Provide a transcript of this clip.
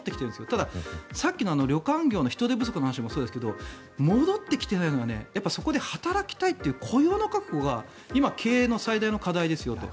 ただ、さっきの旅館業の人手不足の話もそうですけど戻ってきてないのがそこで働きたいという雇用の確保が今、経営の最大の課題ですよと。